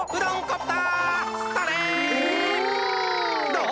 どう？